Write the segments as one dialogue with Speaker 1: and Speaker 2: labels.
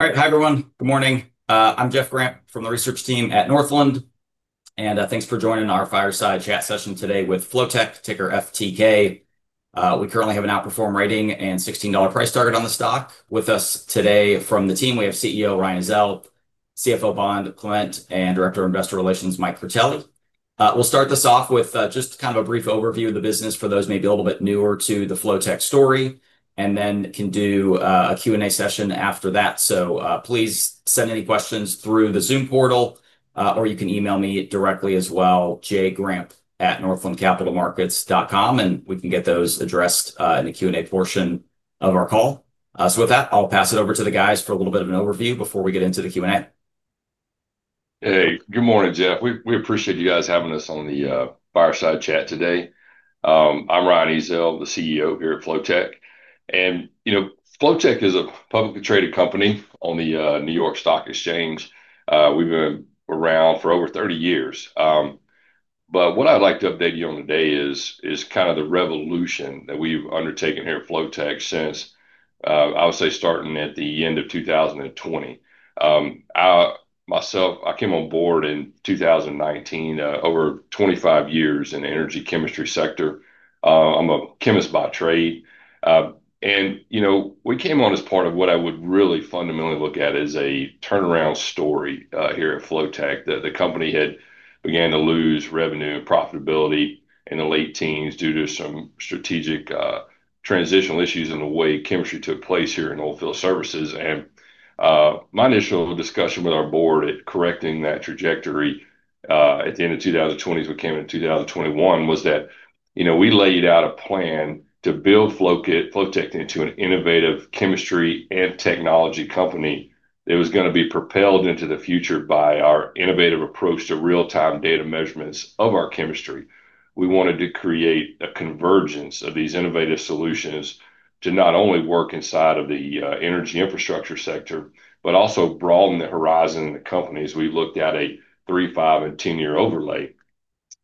Speaker 1: Hi everyone. Good morning. I'm Jeff Grant from the research team at Northland. Thanks for joining our fireside chat session today with Flotek, ticker FTK. We currently have an outperform rating and $16 price target on the stock. With us today from the team, we have CEO Ryan Ezell, CFO Bond Clement, and Director of Investor Relations Mike Critelli. We'll start this off with just kind of a brief overview of the business for those who may be a little bit newer to the Flotek story. We can do a Q&A session after that. Please send any questions through the Zoom portal, or you can email me directly as well, jgrant@northlandcapitalmarkets.com, and we can get those addressed in the Q&A portion of our call. With that, I'll pass it over to the guys for a little bit of an overview before we get into the Q&A.
Speaker 2: Hey, good morning, Jeff. We appreciate you guys having us on the fireside chat today. I'm Ryan Ezell, the CEO here at Flotek. Flotek is a publicly traded company on the New York Stock Exchange. We've been around for over 30 years. What I'd like to update you on today is kind of the revolution that we've undertaken here at Flotek since, I would say, starting at the end of 2020. I myself came on board in 2019, over 25 years in the energy chemistry sector. I'm a chemist by trade. We came on as part of what I would really fundamentally look at as a turnaround story here at Flotek. The company had begun to lose revenue and profitability in the late teens due to some strategic transitional issues in the way chemistry took place here in oil field services. My initial discussion with our board at correcting that trajectory at the end of 2020 as we came into 2021 was that we laid out a plan to build Flotek into an innovative chemistry and technology company that was going to be propelled into the future by our innovative approach to real-time data measurements of our chemistry. We wanted to create a convergence of these innovative solutions to not only work inside of the energy infrastructure sector, but also broaden the horizon in the company as we looked at a three, five, and 10-year overlay.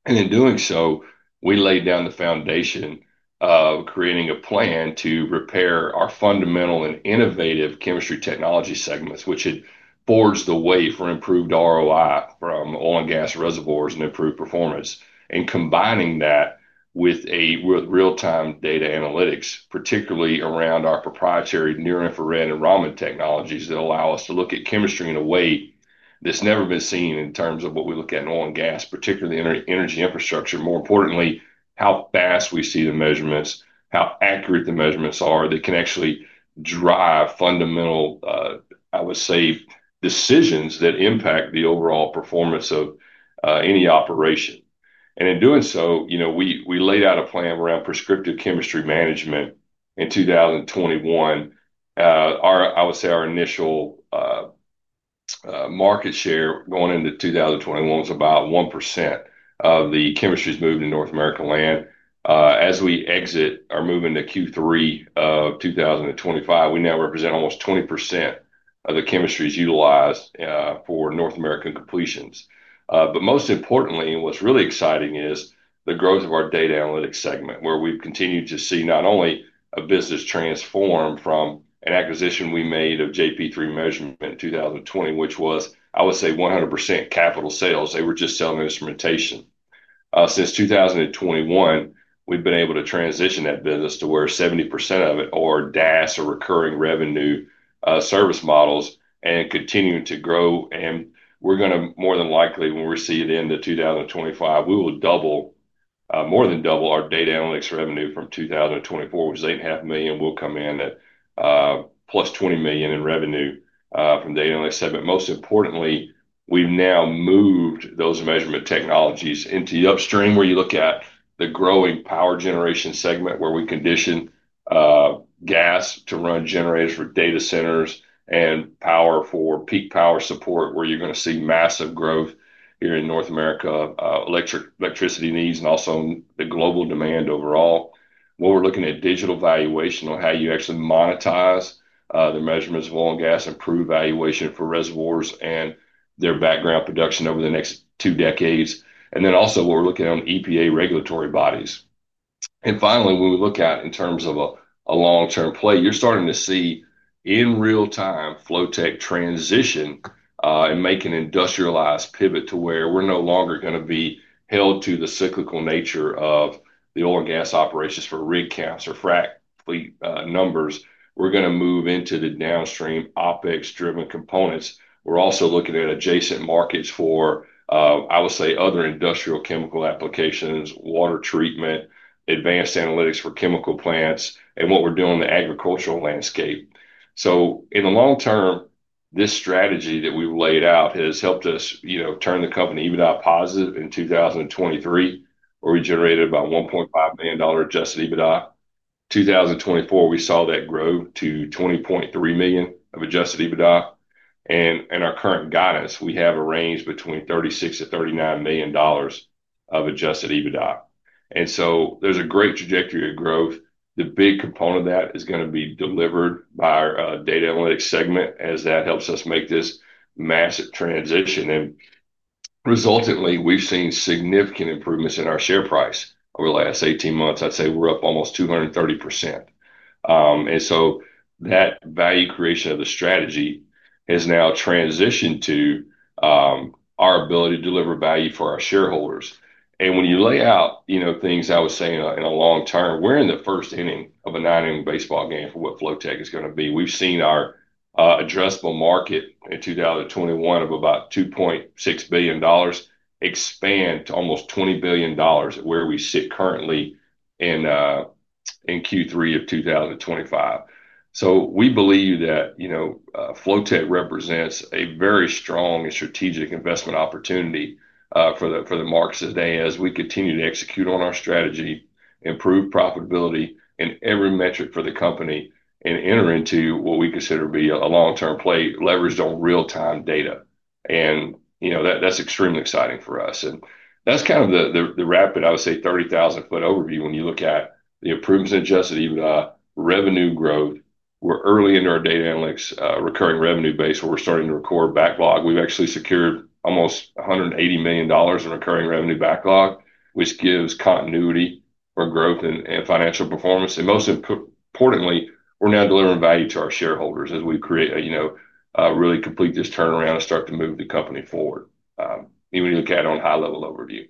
Speaker 2: In doing so, we laid down the foundation of creating a plan to repair our fundamental and innovative chemistry technology segments, which had forged the way for improved ROI from oil and gas reservoirs and improved performance. Combining that with real-time data analytics, particularly around our proprietary near-infrared measurement technologies that allow us to look at chemistry in a way that's never been seen in terms of what we look at in oil and gas, particularly the energy infrastructure. More importantly, how fast we see the measurements, how accurate the measurements are that can actually drive fundamental, I would say, decisions that impact the overall performance of any operation. In doing so, we laid out a plan around prescriptive chemistry management in 2021. I would say our initial market share going into 2021 was about 1% of the chemistries moved to North American land. As we exit or move into Q3 of 2025, we now represent almost 20% of the chemistries utilized for North American depletions. Most importantly, what's really exciting is the growth of our data analytics segment, where we've continued to see not only a business transform from an acquisition we made of JP3 Measurement in 2020, which was, I would say, 100% capital sales. They were just selling instrumentation. Since 2021, we've been able to transition that business to where 70% of it are DAS or recurring revenue service models and continue to grow. We're going to more than likely, when we see the end of 2025, we will double, more than double our data analytics revenue from 2024, which is $8.5 million. We'll come in at plus $20 million in revenue from the data analytics segment. Most importantly, we've now moved those measurement technologies into the upstream, where you look at the growing power generation segment, where we condition gas to run generators for data centers and power for peak power support, where you're going to see massive growth here in North America of electricity needs and also the global demand overall. What we're looking at is digital valuation on how you actually monetize the measurements of oil and gas, improve valuation for reservoirs and their background production over the next two decades. Also, what we're looking at on EPA regulatory bodies. Finally, when we look at in terms of a long-term play, you're starting to see in real time Flotek Industries transition and make an industrialized pivot to where we're no longer going to be held to the cyclical nature of the oil and gas operations for rig caps or frac numbers. We're going to move into the downstream OpEx-driven components. We're also looking at adjacent markets for, I would say, other industrial chemical applications, water treatment, advanced analytics for chemical plants, and what we're doing in the agricultural landscape. In the long term, this strategy that we've laid out has helped us turn the company EBITDA positive in 2023, where we generated about $1.5 million adjusted EBITDA. In 2024, we saw that grow to $20.3 million of adjusted EBITDA. In our current guidance, we have a range between $36 to $39 million of adjusted EBITDA. There's a great trajectory of growth. The big component of that is going to be delivered by our data analytics segment as that helps us make this massive transition. Resultantly, we've seen significant improvements in our share price over the last 18 months. I'd say we're up almost 230%. That value creation of the strategy has now transitioned to our ability to deliver value for our shareholders. When you lay out, you know, things I would say in a long term, we're in the first inning of a nine-inning baseball game for what Flotek Industries is going to be. We've seen our addressable market in 2021 of about $2.6 billion expand to almost $20 billion at where we sit currently in Q3 of 2025. We believe that, you know, Flotek Industries represents a very strong and strategic investment opportunity for the markets today as we continue to execute on our strategy, improve profitability in every metric for the company, and enter into what we consider to be a long-term play leveraged on real-time data. You know, that's extremely exciting for us. That's kind of the rapid, I would say, 30,000-foot overview when you look at the improvements in adjusted EBITDA, revenue growth. We're early into our data analytics recurring revenue base where we're starting to record backlog. We've actually secured almost $180 million in recurring revenue backlog, which gives continuity for growth and financial performance. Most importantly, we're now delivering value to our shareholders as we create, you know, really complete this turnaround and start to move the company forward. When you look at it on a high-level overview.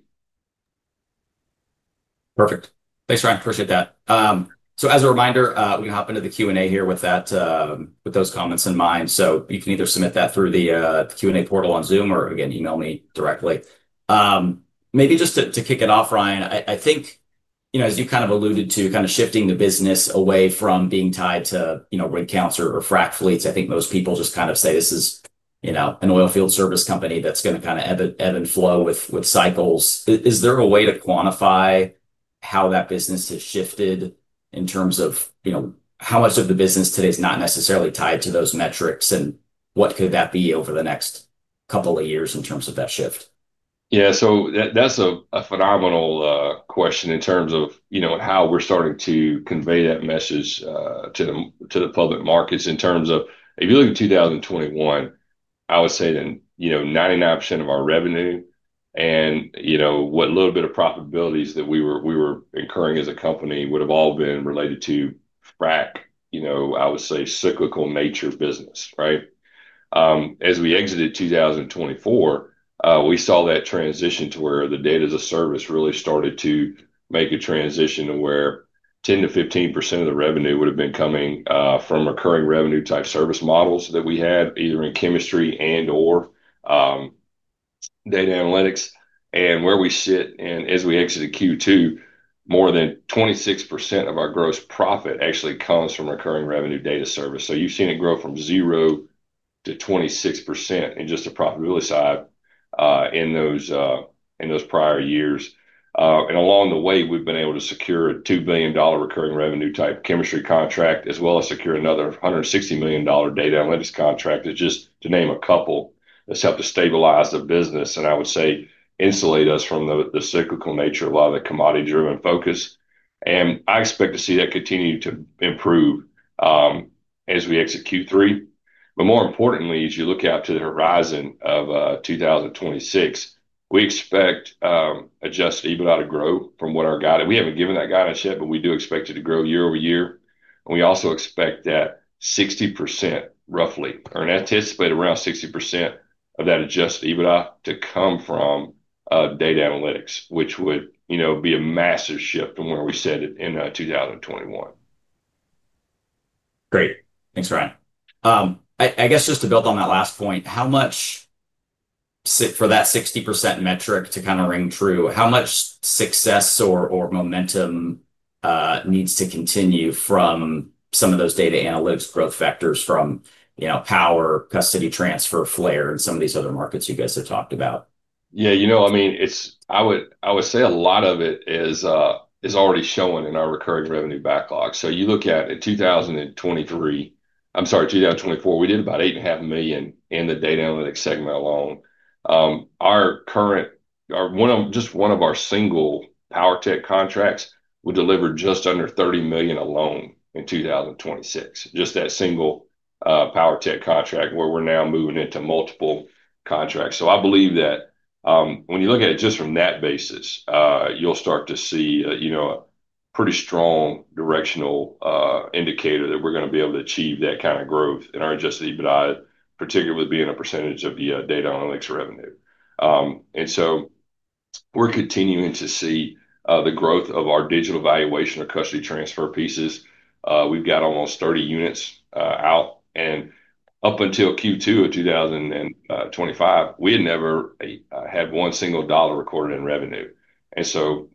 Speaker 1: Perfect. Thanks, Ryan. Appreciate that. As a reminder, we can hop into the Q&A here with those comments in mind. You can either submit that through the Q&A portal on Zoom or, again, email me directly. Maybe just to kick it off, Ryan, I think, as you kind of alluded to, kind of shifting the business away from being tied to rig caps or Frac Fleets, I think most people just kind of say this is an oil field service company that's going to kind of ebb and flow with cycles. Is there a way to quantify how that business has shifted in terms of how much of the business today is not necessarily tied to those metrics and what could that be over the next couple of years in terms of that shift?
Speaker 2: Yeah, so that's a phenomenal question in terms of how we're starting to convey that message to the public markets in terms of, if you look at 2021, I would say that 99% of our revenue and what a little bit of profitabilities that we were incurring as a company would have all been related to frac, I would say cyclical nature of business, right? As we exited 2024, we saw that transition to where the data as a service really started to make a transition to where 10% to 15% of the revenue would have been coming from recurring revenue type service models that we had either in chemistry and/or data analytics. Where we sit and as we exited Q2, more than 26% of our gross profit actually comes from recurring revenue data service. You've seen it grow from 0% to 26% in just the profitability side in those prior years. Along the way, we've been able to secure a $2 billion recurring revenue type chemistry contract as well as secure another $160 million data analytics contract. It's just to name a couple that's helped to stabilize the business and I would say insulate us from the cyclical nature of a lot of the commodity-driven focus. I expect to see that continue to improve as we exit Q3. More importantly, as you look out to the horizon of 2026, we expect adjusted EBITDA to grow from what our guidance, we haven't given that guidance yet, but we do expect it to grow year over year. We also expect that 60%, roughly, or an anticipated around 60% of that adjusted EBITDA to come from data analytics, which would be a massive shift from where we said it in 2021.
Speaker 1: Great. Thanks, Ryan. I guess just to build on that last point, how much for that 60% metric to kind of ring true, how much success or momentum needs to continue from some of those data analytics growth vectors from, you know, power, custody transfer, flare, and some of these other markets you guys have talked about?
Speaker 2: Yeah, you know, I mean, I would say a lot of it is already showing in our recurring revenue backlog. You look at it in 2023, I'm sorry, 2024, we did about $8.5 million in the data analytics segment alone. Our current, or just one of our single PowerTech contracts, will deliver just under $30 million alone in 2026. Just that single PowerTech contract, where we're now moving into multiple contracts. I believe that when you look at it just from that basis, you'll start to see a pretty strong directional indicator that we're going to be able to achieve that kind of growth in our adjusted EBITDA, particularly with being a percentage of the data analytics revenue. We're continuing to see the growth of our digital valuation or custody transfer pieces. We've got almost 30 units out. Up until Q2 of 2025, we had never had one single dollar recorded in revenue.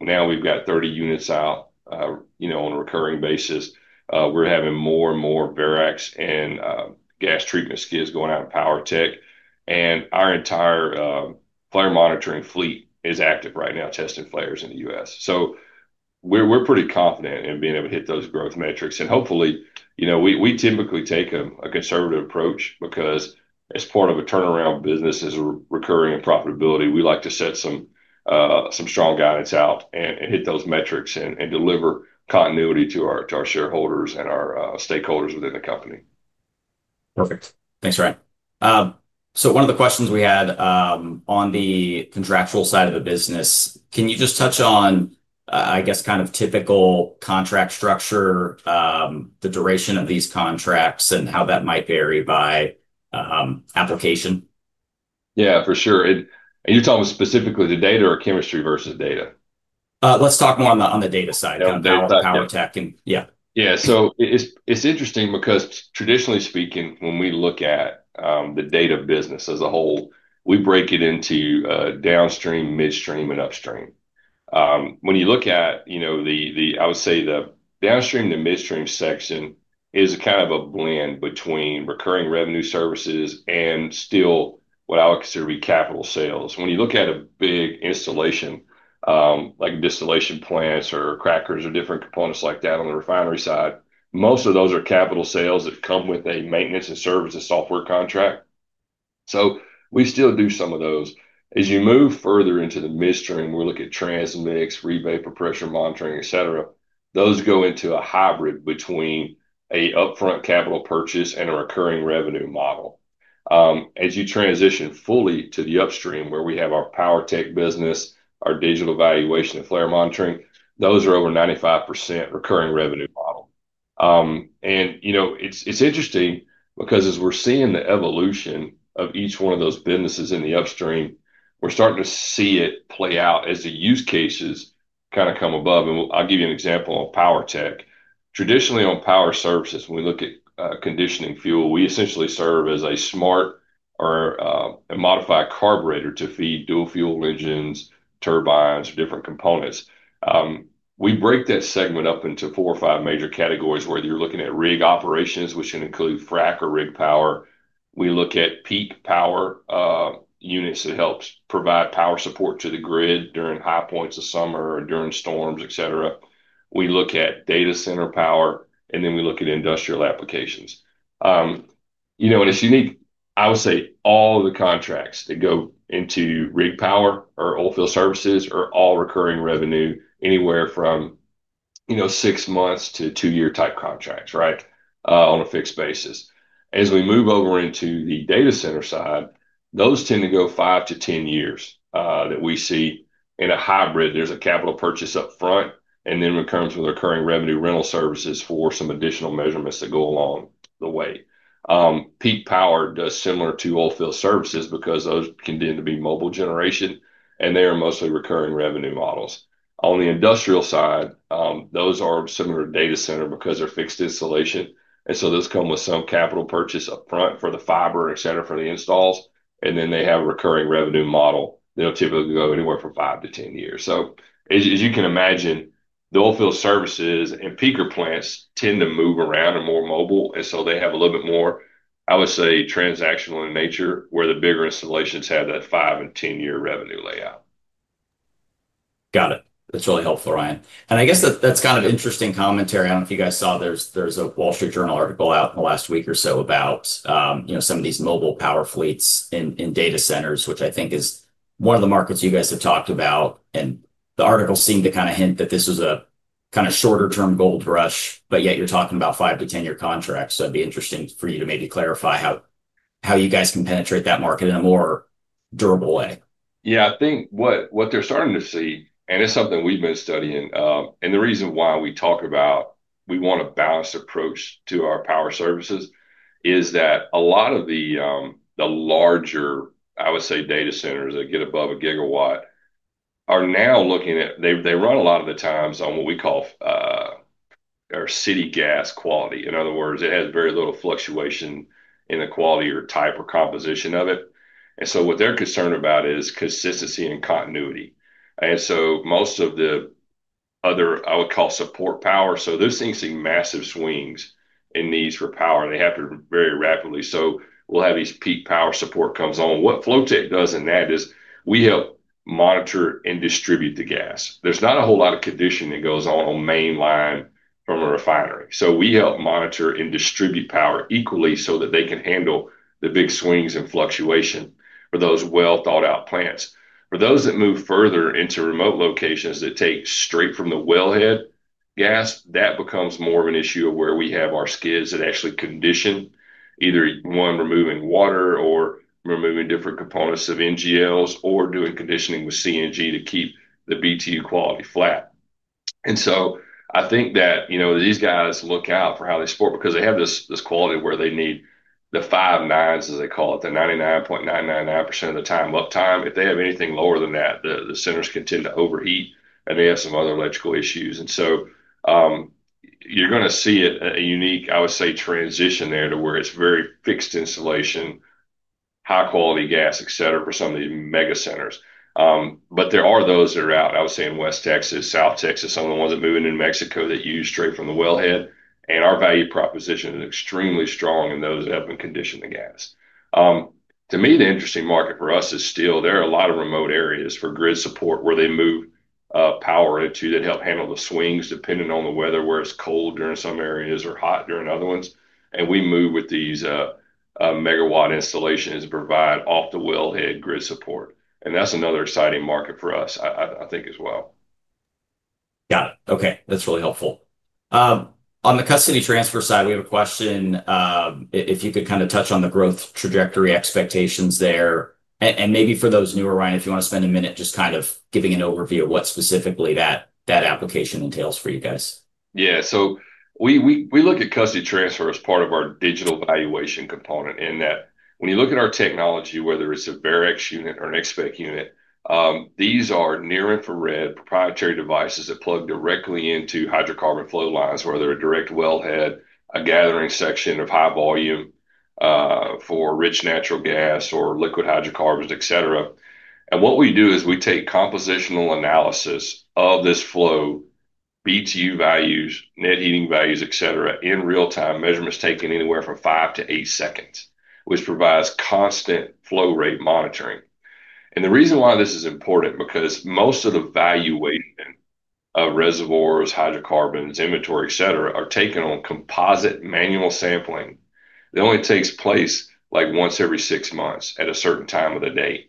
Speaker 2: Now we've got 30 units out on a recurring basis. We're having more and more Verax and gas treatment skids going out in PowerTech, and our entire flare monitoring fleet is active right now testing flares in the U.S. We're pretty confident in being able to hit those growth metrics. Hopefully, we typically take a conservative approach because as part of a turnaround business, as we're recurring in profitability, we like to set some strong guidance out and hit those metrics and deliver continuity to our shareholders and our stakeholders within the company.
Speaker 1: Perfect. Thanks, Ryan. One of the questions we had on the contractual side of the business, can you just touch on, I guess, typical contract structure, the duration of these contracts, and how that might vary by application?
Speaker 2: Yeah, for sure. You're talking specifically to data or chemistry versus data?
Speaker 1: Let's talk more on the data side.
Speaker 2: Okay.
Speaker 1: Yeah.
Speaker 2: Yeah. It's interesting because traditionally speaking, when we look at the data business as a whole, we break it into downstream, midstream, and upstream. When you look at the, I would say the downstream to midstream section, it is kind of a blend between recurring revenue services and still what I would consider to be capital sales. When you look at a big installation, like distillation plants or crackers or different components like that on the refinery side, most of those are capital sales that come with a maintenance and services software contract. We still do some of those. As you move further into the midstream, we look at transmix, rebate for pressure monitoring, etc. Those go into a hybrid between an upfront capital purchase and a recurring revenue model. As you transition fully to the upstream where we have our PowerTech business, our digital valuation, and flare monitoring, those are over 95% recurring revenue model. It's interesting because as we're seeing the evolution of each one of those businesses in the upstream, we're starting to see it play out as the use cases come above. I'll give you an example on PowerTech. Traditionally, on power services, when we look at conditioning fuel, we essentially serve as a smart or a modified carburetor to feed dual fuel engines, turbines, or different components. We break that segment up into four or five major categories where you're looking at rig operations, which can include frac or rig power. We look at peak power units that help provide power support to the grid during high points of summer or during storms, etc. We look at data center power, and then we look at industrial applications. It's unique. I would say all of the contracts that go into rig power or oil field services are all recurring revenue anywhere from six months to two-year type contracts, right, on a fixed basis. As we move over into the data center side, those tend to go five to ten years that we see in a hybrid. There's a capital purchase upfront, and then it comes with recurring revenue rental services for some additional measurements that go along the way. Peak power does similar to oil field services because those can tend to be mobile generation, and they are mostly recurring revenue models. On the industrial side, those are similar to data center because they're fixed installation. Those come with some capital purchase upfront for the fiber, etc., for the installs. Then they have a recurring revenue model. They'll typically go anywhere from five to ten years. As you can imagine, the oil field services and peaker plants tend to move around and are more mobile. They have a little bit more, I would say, transactional in nature where the bigger installations have that five and ten-year revenue layout.
Speaker 1: Got it. That's really helpful, Ryan. I guess that's kind of an interesting commentary. I don't know if you guys saw there's a Wall Street Journal article out in the last week or so about some of these mobile power fleets in data centers, which I think is one of the markets you guys have talked about. The article seemed to kind of hint that this was a kind of shorter-term gold rush, yet you're talking about five to 10-year contracts. It would be interesting for you to maybe clarify how you guys can penetrate that market in a more durable way.
Speaker 2: Yeah, I think what they're starting to see, and it's something we've been studying, and the reason why we talk about we want a balanced approach to our power services is that a lot of the larger, I would say, data centers that get above a gigawatt are now looking at, they run a lot of the times on what we call city gas quality. In other words, it has very little fluctuation in the quality or type or composition of it. What they're concerned about is consistency and continuity. Most of the other, I would call, support power. They're seeing some massive swings in needs for power. They happen very rapidly. We'll have these peak power support comes on. What Flotek does in that is we help monitor and distribute the gas. There's not a whole lot of conditioning that goes on on main line from a refinery. We help monitor and distribute power equally so that they can handle the big swings and fluctuation for those well-thought-out plants. For those that move further into remote locations that take straight from the wellhead gas, that becomes more of an issue of where we have our skids that actually condition either one, removing water or removing different components of NGLs or doing conditioning with CNG to keep the BTU quality flat. I think that, you know, these guys look out for how they support because they have this quality where they need the five nines, as they call it, the 99.999% of the time uptime. If they have anything lower than that, the centers can tend to overheat and they have some other electrical issues. You're going to see a unique, I would say, transition there to where it's very fixed installation, high-quality gas, et cetera, for some of the mega centers. There are those that are out, I would say, in West Texas, South Texas, some of the ones that are moving in Mexico that use straight from the wellhead. Our value proposition is extremely strong in those, helping condition the gas. To me, the interesting market for us is still there are a lot of remote areas for grid support where they move power into that help handle the swings depending on the weather, where it's cold during some areas or hot during other ones. We move with these megawatt installations to provide off-the-wellhead grid support. That's another exciting market for us, I think, as well.
Speaker 1: Got it. Okay. That's really helpful. On the custody transfer side, we have a question. If you could kind of touch on the growth trajectory expectations there. Maybe for those newer, Ryan, if you want to spend a minute just kind of giving an overview of what specifically that application entails for you guys.
Speaker 2: Yeah. We look at custody transfer as part of our digital valuation component in that when you look at our technology, whether it's a Verax Analyzer or an Expect unit, these are near-infrared proprietary devices that plug directly into hydrocarbon flow lines, whether a direct wellhead, a gathering section of high volume for rich natural gas or liquid hydrocarbons, et cetera. What we do is we take compositional analysis of this flow, BTU values, net heating values, et cetera, in real-time measurements taking anywhere from five to eight seconds, which provides constant flow rate monitoring. The reason why this is important is because most of the valuation of reservoirs, hydrocarbons, inventory, et cetera, are taken on composite manual sampling that only takes place once every six months at a certain time of the day.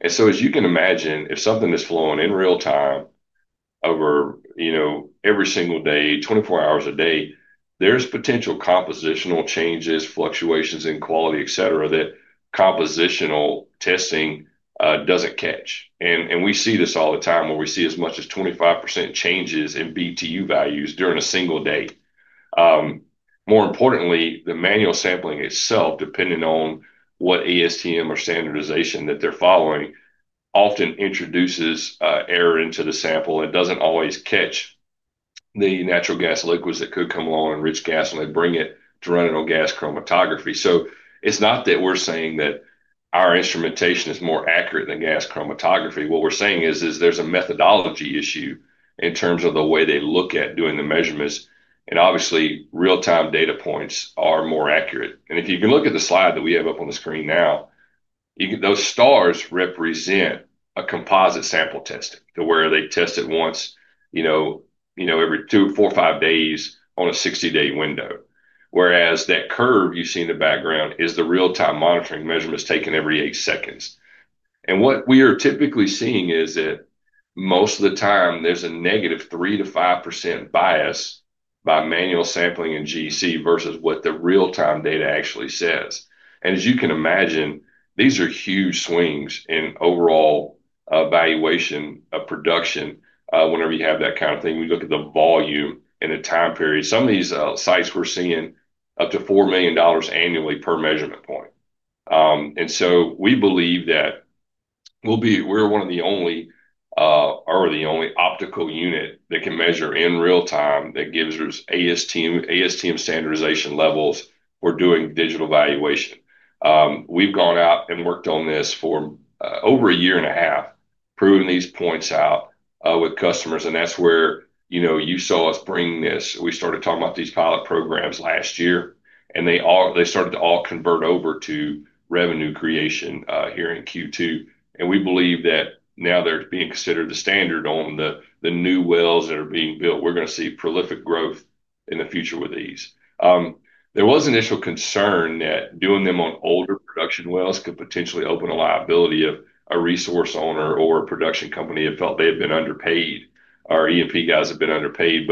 Speaker 2: As you can imagine, if something is flowing in real time every single day, 24 hours a day, there's potential compositional changes, fluctuations in quality, et cetera, that compositional testing doesn't catch. We see this all the time where we see as much as 25% changes in BTU values during a single day. More importantly, the manual sampling itself, depending on what ASTM or standardization that they're following, often introduces error into the sample and doesn't always catch the natural gas liquids that could come along in rich gas and they bring it to run it on gas chromatography. It's not that we're saying that our instrumentation is more accurate than gas chromatography. What we're saying is there's a methodology issue in terms of the way they look at doing the measurements. Obviously, real-time data points are more accurate. If you can look at the slide that we have up on the screen now, those stars represent a composite sample test where they test it once every two, four, or five days on a 60-day window. That curve you see in the background is the real-time monitoring measurements taken every eight seconds. What we are typically seeing is that most of the time there's a negative 3 to 5% bias by manual sampling in GEC versus what the real-time data actually says. As you can imagine, these are huge swings in overall evaluation of production whenever you have that kind of thing. When you look at the volume and the time period, some of these sites we're seeing up to $4 million annually per measurement point. We believe that we'll be, we're one of the only, or the only optical unit that can measure in real time that gives us ASTM standardization levels for doing digital valuation. We've gone out and worked on this for over a year and a half, proving these points out with customers. That's where you saw us bringing this. We started talking about these pilot programs last year, and they started to all convert over to revenue creation here in Q2. We believe that now they're being considered the standard on the new wells that are being built. We're going to see prolific growth in the future with these. There was initial concern that doing them on older production wells could potentially open a liability of a resource owner or a production company that felt they had been underpaid. Our E&P guys have been underpaid.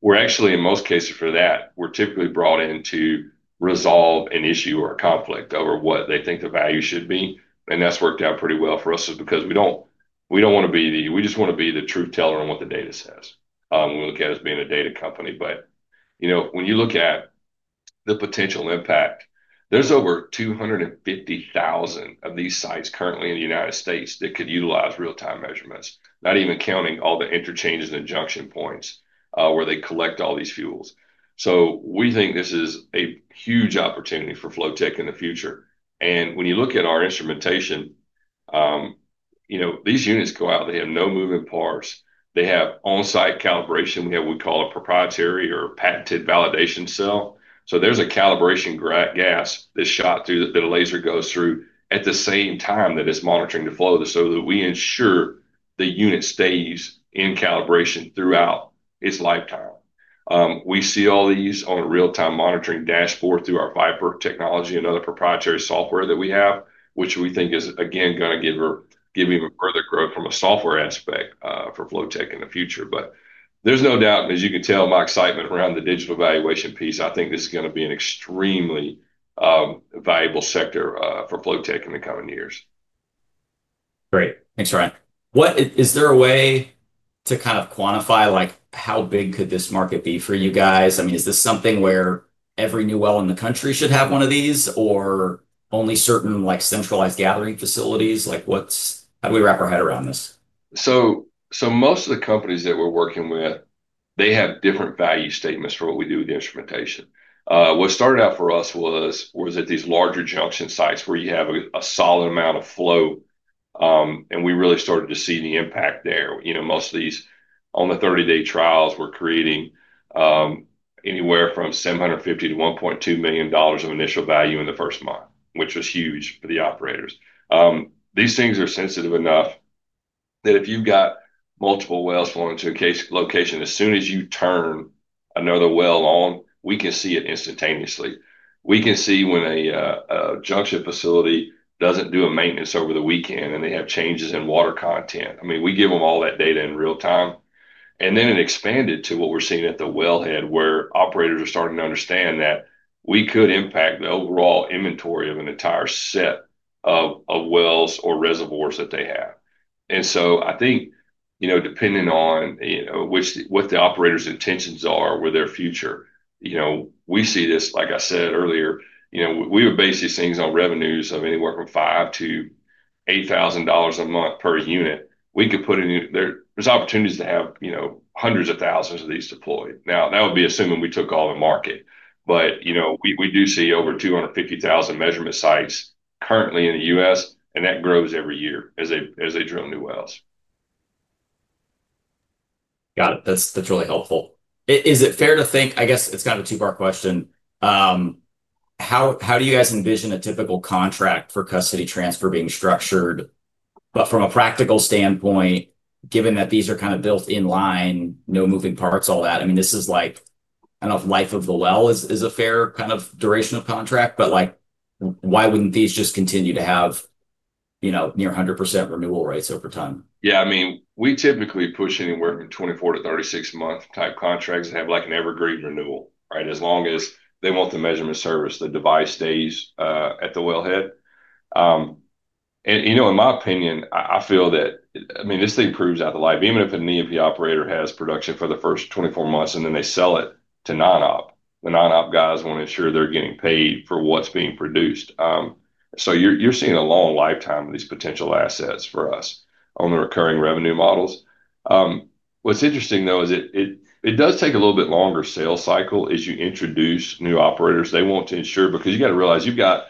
Speaker 2: We're actually, in most cases for that, typically brought in to resolve an issue or a conflict over what they think the value should be. That's worked out pretty well for us just because we don't want to be the, we just want to be the truth teller on what the data says. We look at it as being a data company. When you look at the potential impact, there's over 250,000 of these sites currently in the United States that could utilize real-time measurements, not even counting all the interchanges and junction points where they collect all these fuels. We think this is a huge opportunity for Flotek in the future. When you look at our instrumentation, these units go out, they have no moving parts. They have on-site calibration. We have what we call a proprietary or patented validation cell. There's a calibration gas that's shot through that the laser goes through at the same time that it's monitoring the flow so that we ensure the unit stays in calibration throughout its lifetime. We see all these on a real-time monitoring dashboard through our VIPER technology and other proprietary software that we have, which we think is, again, going to give me even further growth from a software aspect for Flotek in the future. There's no doubt, and as you can tell, my excitement around the digital valuation piece, I think this is going to be an extremely valuable sector for Flotek in the coming years.
Speaker 1: Great. Thanks, Ryan. Is there a way to kind of quantify how big could this market be for you guys? I mean, is this something where every new well in the country should have one of these or only certain centralized gathering facilities? How do we wrap our head around this?
Speaker 2: Most of the companies that we're working with have different value statements for what we do with the instrumentation. What started out for us was at these larger junction sites where you have a solid amount of flow, and we really started to see the impact there. Most of these on the 30-day trials were creating anywhere from $750,000 to $1.2 million of initial value in the first month, which was huge for the operators. These things are sensitive enough that if you've got multiple wells flowing to a case location, as soon as you turn another well on, we can see it instantaneously. We can see when a junction facility doesn't do a maintenance over the weekend and they have changes in water content. We give them all that data in real time. It expanded to what we're seeing at the wellhead where operators are starting to understand that we could impact the overall inventory of an entire set of wells or reservoirs that they have. I think, depending on what the operator's intentions are with their future, we see this, like I said earlier, we would base these things on revenues of anywhere from $5,000 to $8,000 a month per unit. We could put in there, there's opportunities to have hundreds of thousands of these deployed. That would be assuming we took all the market. We do see over 250,000 measurement sites currently in the U.S., and that grows every year as they drill new wells.
Speaker 1: Got it. That's really helpful. Is it fair to think, I guess it's kind of a two-part question. How do you guys envision a typical contract for custody transfer being structured? From a practical standpoint, given that these are kind of built in line, no moving parts, all that, I mean, this is like, I don't know if life of the well is a fair kind of duration of contract, but why wouldn't these just continue to have, you know, near 100% renewal rates over time?
Speaker 2: Yeah, I mean, we typically push anywhere from 24 to 36 months type contracts and have like an evergreen renewal, right? As long as they want the measurement service, the device stays at the wellhead. In my opinion, I feel that, I mean, this thing proves out the life. Even if an E&P operator has production for the first 24 months and then they sell it to non-op, the non-op guys want to ensure they're getting paid for what's being produced. You're seeing a long lifetime of these potential assets for us on the recurring revenue models. What's interesting though is it does take a little bit longer sales cycle as you introduce new operators. They want to ensure because you've got to realize you've got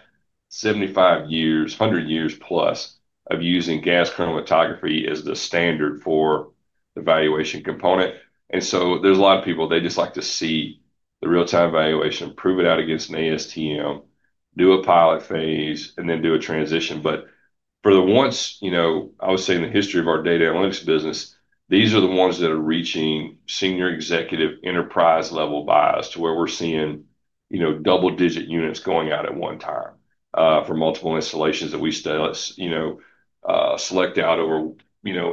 Speaker 2: 75 years, 100 years plus of using gas chromatography as the standard for the valuation component. There's a lot of people, they just like to see the real-time valuation and prove it out against an ASTM, do a pilot phase, and then do a transition. For the once, I would say in the history of our data analytics business, these are the ones that are reaching Senior Executive enterprise level buyers to where we're seeing double-digit units going out at one time for multiple installations that we still select out over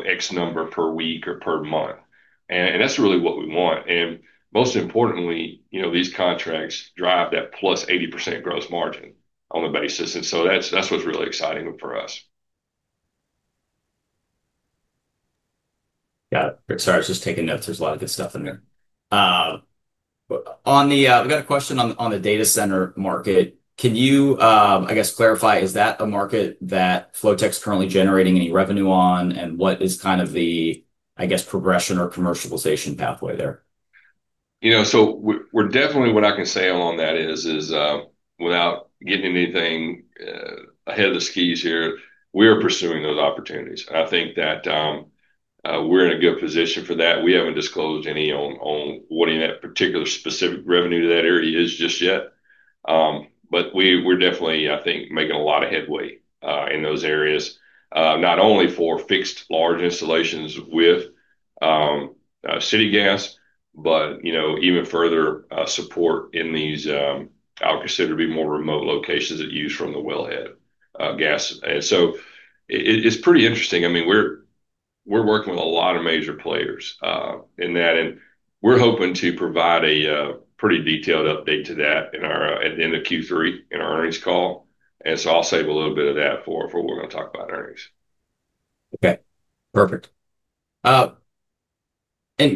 Speaker 2: X number per week or per month. That's really what we want. Most importantly, these contracts drive that plus 80% gross margin on the basis. That's what's really exciting for us.
Speaker 1: Got it. Sorry, I was just taking notes. There's a lot of good stuff in there. We've got a question on the data center market. Can you clarify, is that a market that Flotek's currently generating any revenue on? What is kind of the progression or commercialization pathway there?
Speaker 2: We're definitely, what I can say on that is, without getting anything ahead of the skis here, we are pursuing those opportunities. I think that we're in a good position for that. We haven't disclosed any on what in that particular specific revenue to that area is just yet. We're definitely, I think, making a lot of headway in those areas, not only for fixed large installations with city gas, but even further support in these, I would consider to be more remote locations that use from the wellhead gas. It's pretty interesting. We're working with a lot of major players in that. We're hoping to provide a pretty detailed update to that at the end of Q3 in our earnings call. I'll save a little bit of that for what we're going to talk about in earnings.
Speaker 1: Okay. Perfect. Can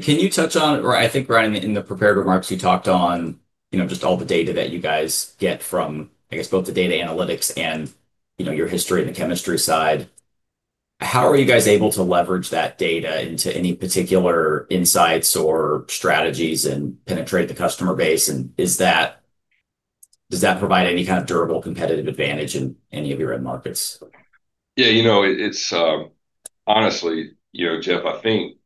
Speaker 1: you touch on it, or I think right in the prepared remarks, you talked on, you know, just all the data that you guys get from, I guess, both the data analytics and, you know, your history in the chemistry side. How are you guys able to leverage that data into any particular insights or strategies and penetrate the customer base? Does that provide any kind of durable competitive advantage in any of your end markets?
Speaker 2: Yeah, you know, it's honestly, you know, Jeff, I think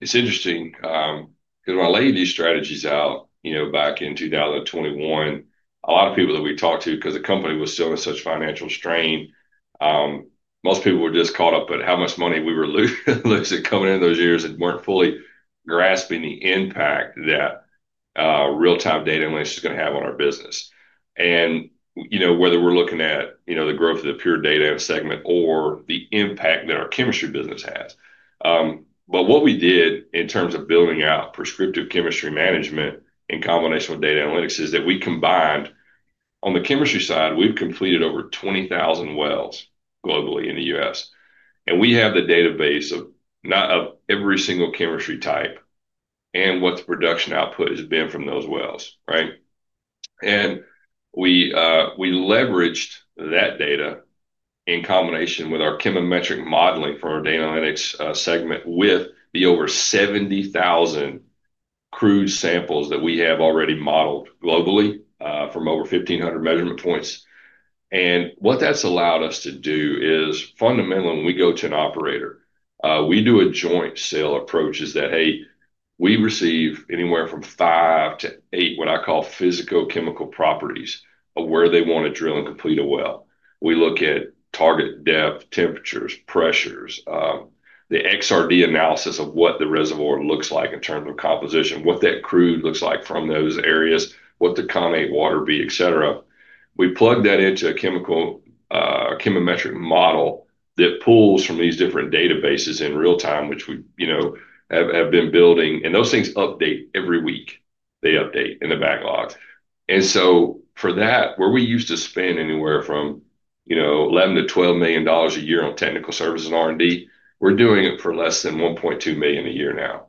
Speaker 2: it's interesting because when I laid these strategies out back in 2021, a lot of people that we talked to, because the company was still in such financial strain, most people were just caught up at how much money we were losing coming in those years and weren't fully grasping the impact that real-time data analytics is going to have on our business. Whether we're looking at the growth of the pure data segment or the impact that our chemistry business has, what we did in terms of building out prescriptive chemistry management in combination with data analytics is that we combined, on the chemistry side, we've completed over 20,000 wells globally in the U.S. We have the database of not of every single chemistry type and what the production output has been from those wells, right? We leveraged that data in combination with our chemometric modeling for our data analytics segment with the over 70,000 crude samples that we have already modeled globally from over 1,500 measurement points. What that's allowed us to do is fundamentally, when we go to an operator, we do a joint sale approach. Hey, we receive anywhere from five to eight, what I call physicochemical properties of where they want to drill and complete a well. We look at target depth, temperatures, pressures, the XRD analysis of what the reservoir looks like in terms of composition, what that crude looks like from those areas, what the carbonate water would be, et cetera. We plug that into a chemical, a chemometric model that pulls from these different databases in real time, which we have been building. Those things update every week. They update in the backlogs. For that, where we used to spend anywhere from $11 million to $12 million a year on technical service and R&D, we're doing it for less than $1.2 million a year now.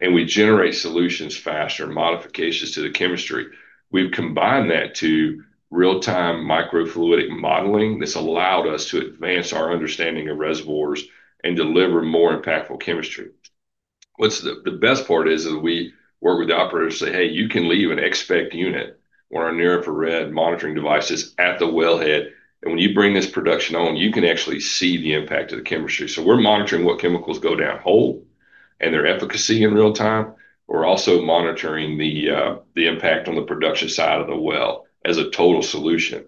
Speaker 2: We generate solutions faster and modifications to the chemistry. We've combined that to real-time microfluidic modeling that's allowed us to advance our understanding of reservoirs and deliver more impactful chemistry. What's the best part is that we work with the operator to say, hey, you can leave an Expect unit or a near-infrared monitoring device just at the wellhead. When you bring this production on, you can actually see the impact of the chemistry. We're monitoring what chemicals go downhole and their efficacy in real time. We're also monitoring the impact on the production side of the well as a total solution.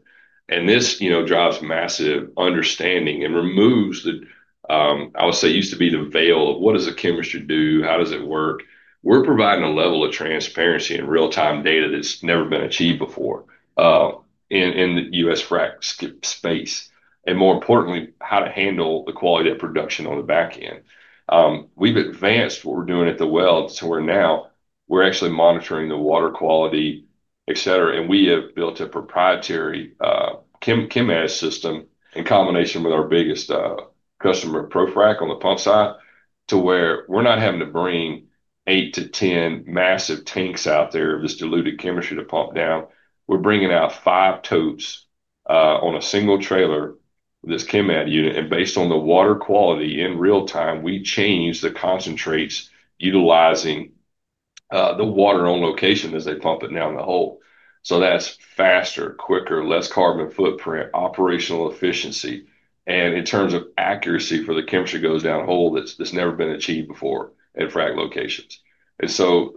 Speaker 2: This drives massive understanding and removes the, I would say, used to be the veil of what does a chemistry do? How does it work? We're providing a level of transparency and real-time data that's never been achieved before in the U.S. frac space. More importantly, how to handle the quality of production on the backend. We've advanced what we're doing at the well to where now we're actually monitoring the water quality, et cetera. We have built a proprietary chem-edge system in combination with our biggest customer, ProFrac, on the pump side to where we're not having to bring eight to ten massive tanks out there of this diluted chemistry to pump down. We're bringing out five totes on a single trailer with this chem-edge unit. Based on the water quality in real time, we change the concentrates utilizing the water on location as they pump it down the hole. That's faster, quicker, less carbon footprint, operational efficiency, and in terms of accuracy for the chemistry that goes down hole, that's never been achieved before in frac locations.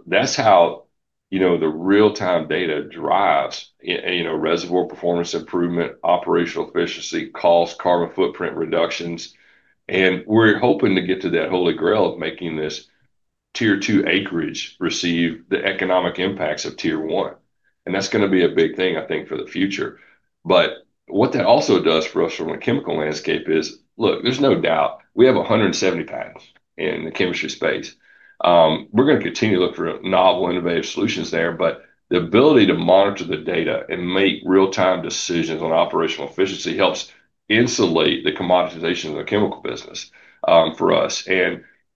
Speaker 2: That's how the real-time data drives reservoir performance improvement, operational efficiency, cost, carbon footprint reductions. We're hoping to get to that holy grail of making this tier two acreage receive the economic impacts of tier one. That's going to be a big thing, I think, for the future. What that also does for us from a chemical landscape is, look, there's no doubt we have 170 patents in the chemistry space. We're going to continue to look for novel, innovative solutions there. The ability to monitor the data and make real-time decisions on operational efficiency helps insulate the commoditization of the chemical business for us.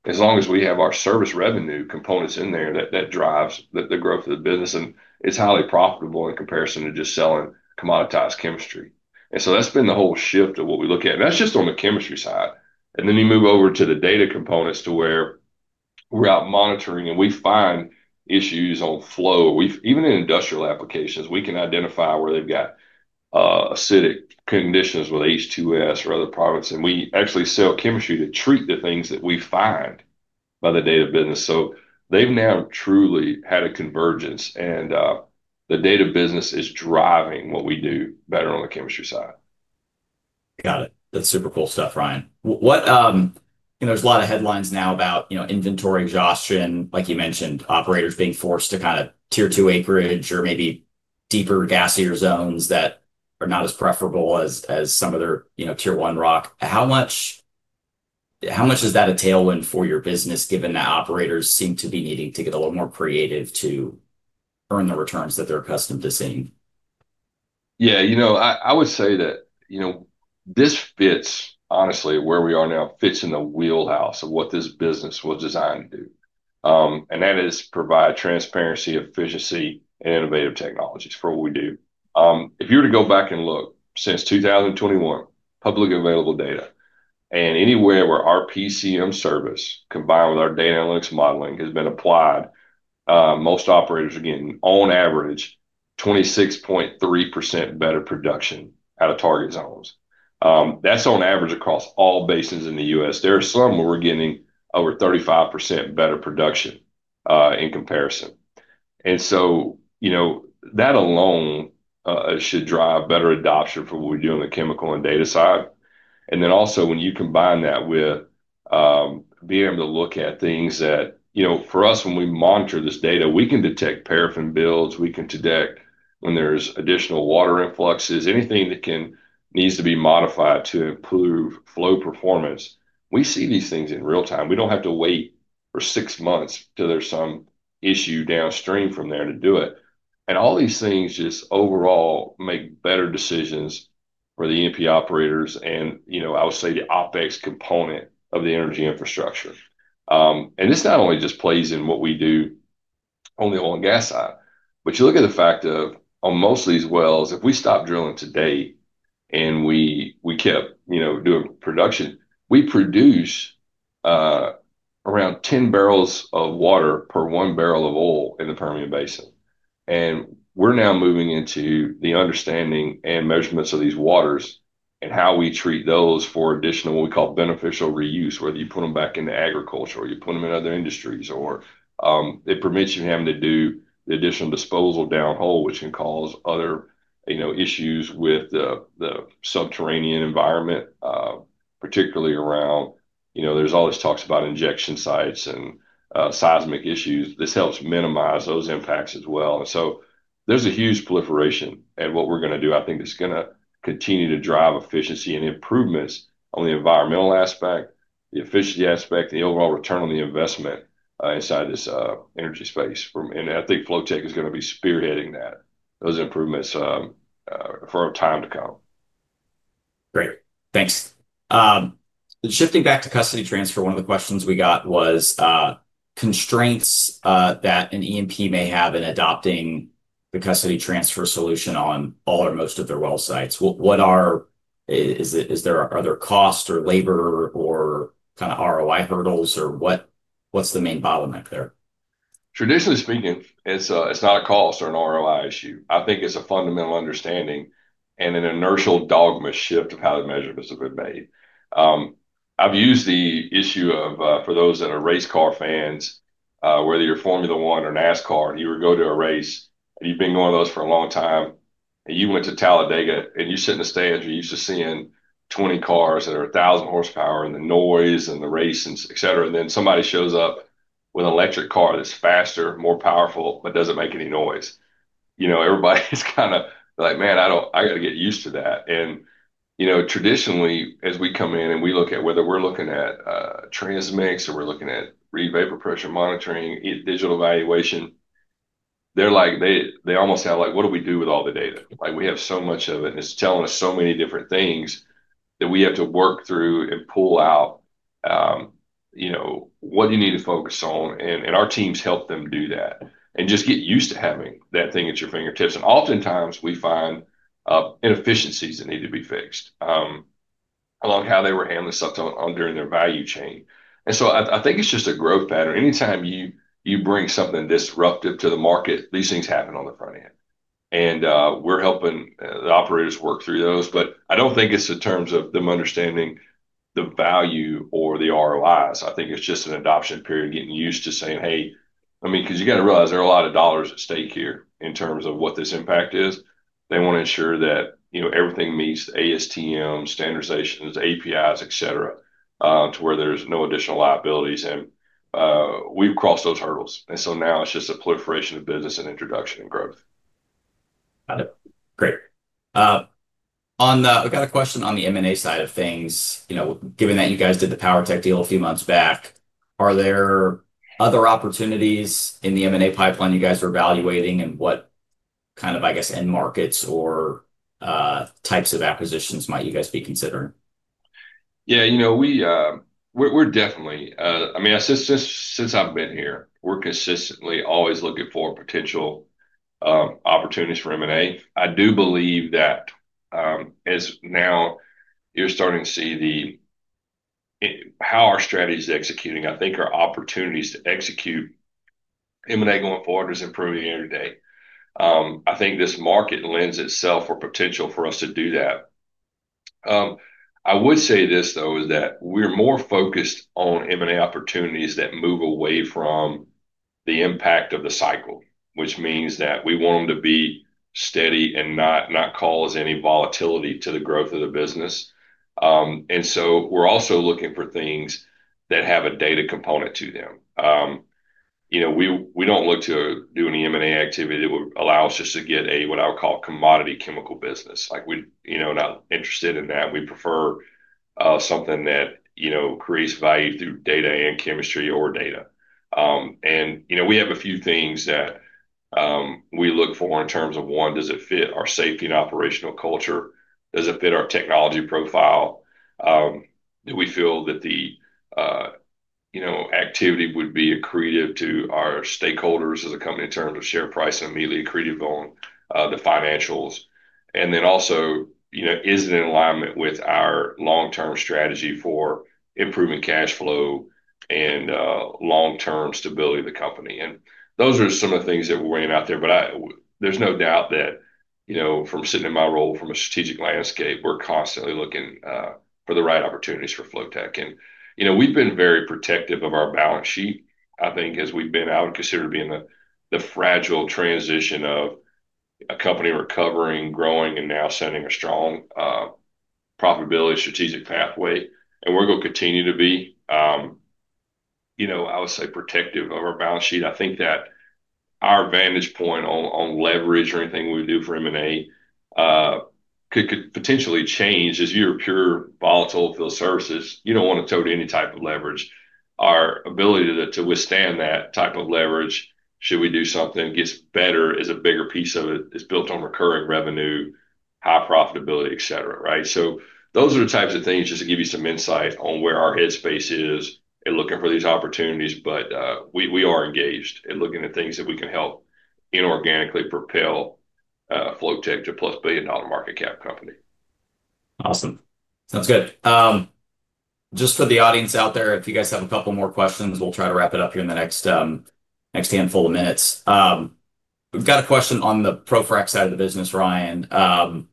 Speaker 2: As long as we have our service revenue components in there, that drives the growth of the business. It's highly profitable in comparison to just selling commoditized chemistry. That's been the whole shift of what we look at. That's just on the chemistry side. Then you move over to the data components to where we're out monitoring and we find issues on flow. Even in industrial applications, we can identify where they've got acidic conditions with H2S or other products. We actually sell chemistry to treat the things that we find by the data business. They've now truly had a convergence. The data business is driving what we do better on the chemistry side.
Speaker 1: Got it. That's super cool stuff, Ryan. There's a lot of headlines now about inventory exhaustion, like you mentioned, operators being forced to kind of tier two acreage or maybe deeper, gassier zones that are not as preferable as some other tier one rock. How much is that a tailwind for your business, given that operators seem to be needing to get a little more creative to earn the returns that they're accustomed to seeing?
Speaker 2: I would say that this fits honestly where we are now, fits in the wheelhouse of what this business was designed to do. That is provide transparency, efficiency, and innovative technologies for what we do. If you were to go back and look since 2021, public available data, and anywhere where our PCM service combined with our data analytics modeling has been applied, most operators are getting, on average, 26.3% better production out of target zones. That's on average across all basins in the U.S. There are some where we're getting over 35% better production in comparison. That alone should drive better adoption for what we do on the chemical and data side. Also, when you combine that with being able to look at things that, for us, when we monitor this data, we can detect paraffin builds. We can detect when there's additional water influxes. Anything that needs to be modified to improve flow performance, we see these things in real time. We don't have to wait for six months till there's some issue downstream from there to do it. All these things just overall make better decisions for the E&P operators and, I would say, the OpEx component of the energy infrastructure. This not only just plays in what we do on the oil and gas side, but you look at the fact of on most of these wells, if we stopped drilling today and we kept doing production, we produce around 10 barrels of water per one barrel of oil in the Permian Basin. We're now moving into the understanding and measurements of these waters and how we treat those for additional, what we call beneficial reuse, whether you put them back into agriculture or you put them in other industries, or it permits you having to do the additional disposal down hole, which can cause other issues with the subterranean environment, particularly around, there's all this talk about injection sites and seismic issues. This helps minimize those impacts as well. There's a huge proliferation and what we're going to do, I think, is going to continue to drive efficiency and improvements on the environmental aspect, the efficiency aspect, and the overall return on the investment inside this energy space. I think Flotek Industries is going to be spearheading those improvements for a time to come.
Speaker 1: Great. Thanks. Shifting back to custody transfer, one of the questions we got was constraints that an E&P may have in adopting the custody transfer solution on all or most of their well sites. Is there, are there costs or labor or kind of ROI hurdles, or what's the main bottleneck there?
Speaker 2: Traditionally speaking, it's not a cost or an ROI issue. I think it's a fundamental understanding and an inertial dogma shift of how the measurements have been made. I've used the issue of, for those that are race car fans, whether you're Formula One or NASCAR, and you would go to a race, and you've been going to those for a long time, and you went to Talladega, and you sit in the stands, you're used to seeing 20 cars that are a thousand horsepower and the noise and the race and et cetera. Then somebody shows up with an electric car that's faster, more powerful, but doesn't make any noise. You know, everybody's kind of like, man, I don't, I got to get used to that. Traditionally, as we come in and we look at whether we're looking at transient mix or we're looking at re-vapor pressure monitoring, digital evaluation, they're like, they almost have like, what do we do with all the data? Like we have so much of it and it's telling us so many different things that we have to work through and pull out, you know, what do you need to focus on? Our teams help them do that and just get used to having that thing at your fingertips. Oftentimes we find inefficiencies that need to be fixed along how they were handling stuff during their value chain. I think it's just a growth pattern. Anytime you bring something disruptive to the market, these things happen on the front end. We are helping the operators work through those. I don't think it's in terms of them understanding the value or the ROIs. I think it's just an adoption period getting used to saying, hey, I mean, because you got to realize there are a lot of dollars at stake here in terms of what this impact is. They want to ensure that, you know, everything meets the ASTM standardizations, APIs, et cetera, to where there's no additional liabilities. We've crossed those hurdles. Now it's just a proliferation of business and introduction and growth.
Speaker 1: Got it. Great. I got a question on the M&A side of things. Given that you guys did the PowerTech deal a few months back, are there other opportunities in the M&A pipeline you guys are evaluating, and what kind of, I guess, end markets or types of acquisitions might you guys be considering?
Speaker 2: Yeah, you know, we're definitely, I mean, I said since I've been here, we're consistently always looking for potential opportunities for M&A. I do believe that as now you're starting to see how our strategy is executing, I think our opportunities to execute M&A going forward is improving every day. I think this market lends itself for potential for us to do that. I would say this though, we're more focused on M&A opportunities that move away from the impact of the cycle, which means that we want them to be steady and not cause any volatility to the growth of the business. We're also looking for things that have a data component to them. We don't look to do any M&A activity that would allow us just to get a, what I would call, commodity chemical business. We're not interested in that. We prefer something that creates value through data and chemistry or data. We have a few things that we look for in terms of, one, does it fit our safety and operational culture? Does it fit our technology profile? Do we feel that the activity would be accretive to our stakeholders as a company in terms of share price and immediately accretive on the financials? Also, is it in alignment with our long-term strategy for improving cash flow and long-term stability of the company? Those are some of the things that we're weighing out there. There's no doubt that from sitting in my role from a strategic landscape, we're constantly looking for the right opportunities for Flotek. We've been very protective of our balance sheet. I think as we've been, I would consider to be in the fragile transition of a company recovering, growing, and now sending a strong profitability strategic pathway. We're going to continue to be, I would say, protective of our balance sheet. I think that our vantage point on leverage or anything we do for M&A could potentially change as you're pure volatile field services. You don't want to tote any type of leverage. Our ability to withstand that type of leverage, should we do something that gets better, is a bigger piece of it, is built on recurring revenue, high profitability, et cetera, right? Those are the types of things just to give you some insight on where our headspace is in looking for these opportunities. We are engaged in looking at things that we can help inorganically propel Flotek to a plus billion dollar market cap company.
Speaker 1: Awesome. Sounds good. Just for the audience out there, if you guys have a couple more questions, we'll try to wrap it up here in the next handful of minutes. We've got a question on the ProFrac side of the business, Ryan.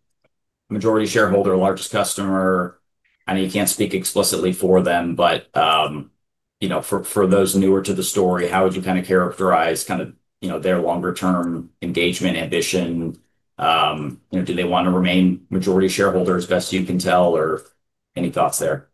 Speaker 1: Majority shareholder, largest customer. I know you can't speak explicitly for them, but for those newer to the story, how would you kind of characterize their longer-term engagement ambition? Do they want to remain majority shareholders as best you can tell, or any thoughts there?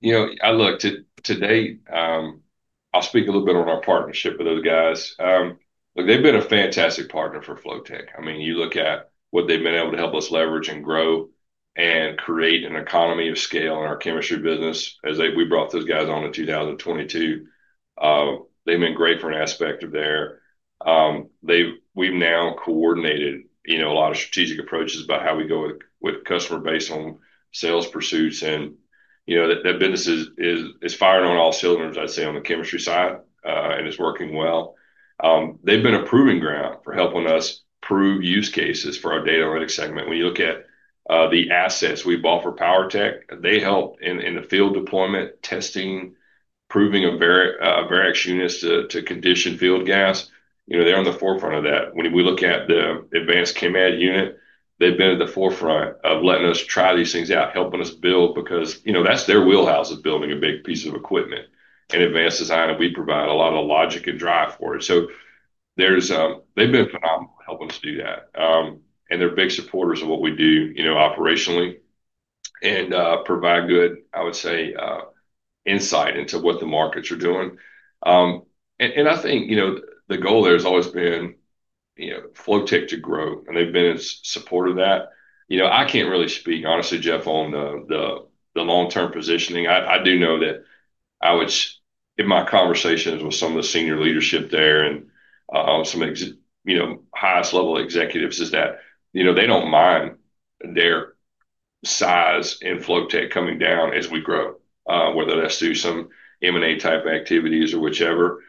Speaker 2: You know, I look today, I'll speak a little bit on our partnership with those guys. They've been a fantastic partner for Flotek. I mean, you look at what they've been able to help us leverage and grow and create an economy of scale in our chemistry business as we brought those guys on in 2022. They've been great for an aspect of their, we've now coordinated a lot of strategic approaches about how we go with customer based on sales pursuits. That business is firing on all cylinders, I'd say on the chemistry side, and it's working well. They've been a proving ground for helping us prove use cases for our data analytics segment. We look at the assets we bought for PowerTech. They help in the field deployment, testing, proving a variance units to condition field gas. They're on the forefront of that. When we look at the advanced CAMAD unit, they've been at the forefront of letting us try these things out, helping us build because that's their wheelhouse of building a big piece of equipment and advanced design that we provide a lot of logic and drive for it. They've been helping us do that. They're big supporters of what we do operationally and provide good, I would say, insight into what the markets are doing. I think the goal there has always been Flotek to grow, and they've been in support of that. I can't really speak honestly, Jeff, on the long-term positioning. I do know that I would, in my conversations with some of the senior leadership there and on some highest level executives, is that they don't mind their size and Flotek coming down as we grow, whether that's through some M&A type activities or whichever.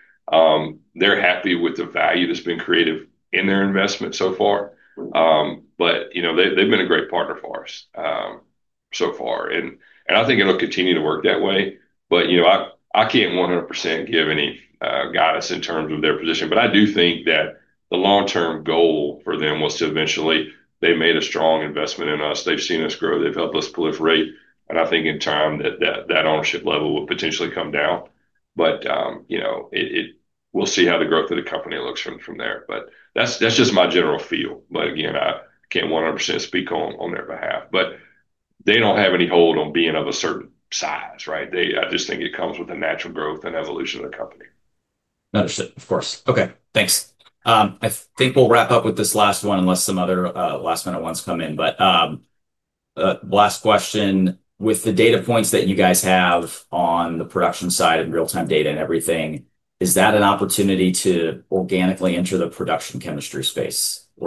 Speaker 2: They're happy with the value that's been created in their investment so far. They've been a great partner for us so far. I think it'll continue to work that way. I can't 100% give any guidance in terms of their position. I do think that the long-term goal for them was to eventually, they made a strong investment in us. They've seen us grow. They've helped us proliferate. I think in time that ownership level will potentially come down. We'll see how the growth of the company looks from there. That's just my general feel. Again, I can't 100% speak on their behalf. They don't have any hold on being of a certain size, right? I just think it comes with the natural growth and evolution of the company.
Speaker 1: Understood. Of course. Okay. Thanks. I think we'll wrap up with this last one unless some other last minute ones come in. Last question, with the data points that you guys have on the production side and real-time data and everything, is that an opportunity to organically enter the production chemistry market?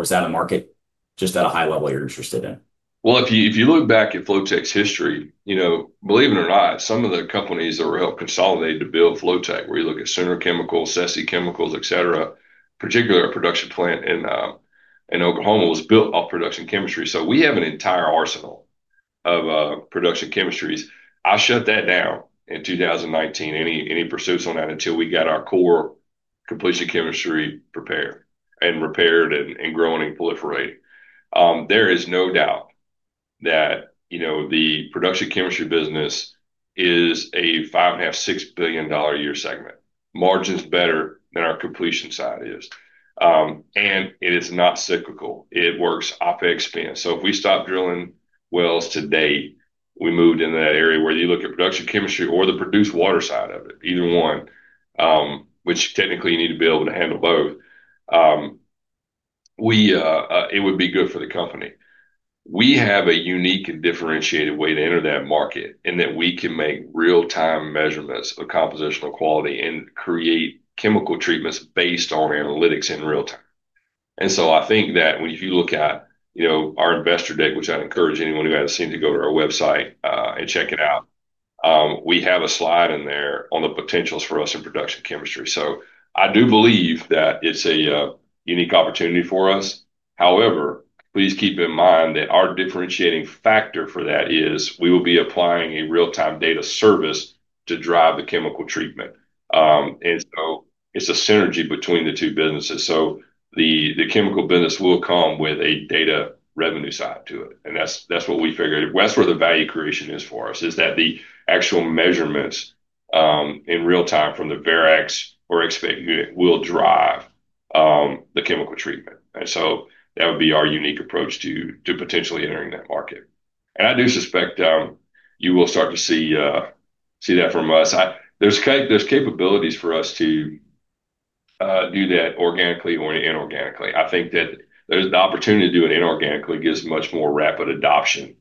Speaker 1: Is that a market just at a high level you're interested in?
Speaker 2: If you look back at Flotek Industries' history, believe it or not, some of the companies are real consolidated to build Flotek, where you look at Cerner Chemicals, SESSI Chemicals, et cetera. Particularly, our production plant in Oklahoma was built off production chemistry. We have an entire arsenal of production chemistries. I shut that down in 2019, any pursuits on that until we got our core completion chemistry prepared and repaired and growing and proliferating. There is no doubt that the production chemistry business is a $5.5 to $6 billion a year segment. Margins are better than our completion side is, and it is not cyclical. It works off expense. If we stop drilling wells today, we moved into that area where you look at production chemistry or the produced water side of it, either one, which technically you need to be able to handle both, it would be good for the company. We have a unique and differentiated way to enter that market in that we can make real-time measurements of compositional quality and create chemical treatments based on analytics in real time. I think that if you look at our investor deck, which I'd encourage anyone who hasn't seen to go to our website and check it out, we have a slide in there on the potentials for us in production chemistry. I do believe that it's a unique opportunity for us. However, please keep in mind that our differentiating factor for that is we will be applying a real-time data service to drive the chemical treatment. It's a synergy between the two businesses. The chemical business will come with a data revenue side to it, and that's what we figured. That's where the value creation is for us, is that the actual measurements in real time from the Verax Analyzer or Expect unit will drive the chemical treatment. That would be our unique approach to potentially entering that market. I do suspect you will start to see that from us. There's capabilities for us to do that organically or inorganically. I think that the opportunity to do it inorganically gives much more rapid adoption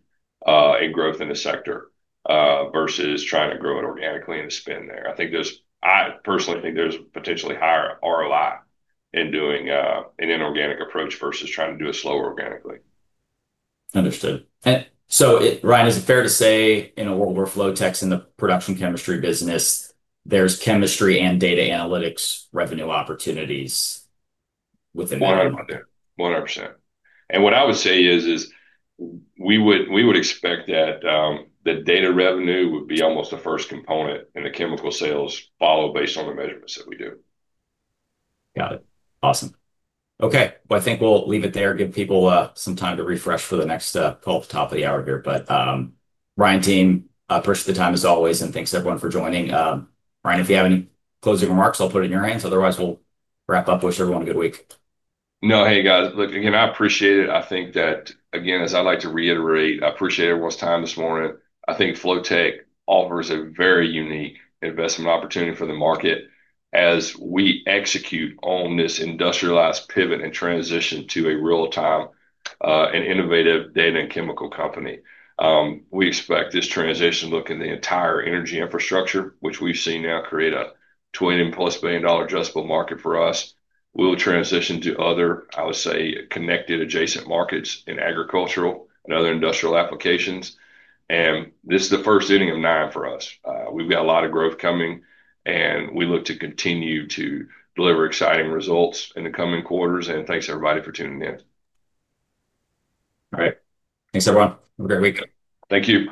Speaker 2: and growth in the sector versus trying to grow it organically and spend there. I personally think there's a potentially higher ROI in doing an inorganic approach versus trying to do it slower organically.
Speaker 1: Understood. Ryan, is it fair to say in a world where Flotek Industries is in the production chemistry business, there's chemistry and data analytics revenue opportunities within that?
Speaker 2: 100%. What I would say is we would expect that the data revenue would be almost the first component in the chemical sales, followed based on the measurements that we do.
Speaker 1: Got it. Awesome. I think we'll leave it there, give people some time to refresh for the next call at the top of the hour here. Ryan, team, appreciate the time as always, and thanks everyone for joining. Ryan, if you have any closing remarks, I'll put it in your hands. Otherwise, we'll wrap up. Wish everyone a good week.
Speaker 2: Hey guys, look, again, I appreciate it. I think that, again, as I'd like to reiterate, I appreciate everyone's time this morning. I think Flotek offers a very unique investment opportunity for the market as we execute on this industrialized pivot and transition to a real-time and innovative data and chemical company. We expect this transition looking at the entire energy infrastructure, which we've seen now create a $20+ billion adjustable market for us. We'll transition to other, I would say, connected adjacent markets in agricultural and other industrial applications. This is the first sitting of nine for us. We've got a lot of growth coming, and we look to continue to deliver exciting results in the coming quarters. Thanks everybody for tuning in.
Speaker 1: All right. Thanks, everyone. Have a great week.
Speaker 2: Thank you.